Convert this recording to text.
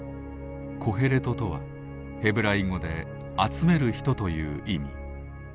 「コヘレト」とはヘブライ語で「集める人」という意味。